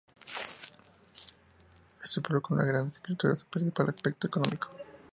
Es un pueblo con una gran agricultura, su principal aspecto económico.